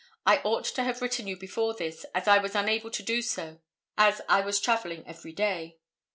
I ought to have written to you before this, as I was unable to do so, as I was travelling every day.